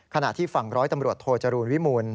ขณะที่ฝั่งร้อยตำรวจโทจรูลวิมูล